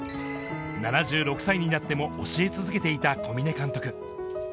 ７６歳になっても教え続けていた小嶺監督。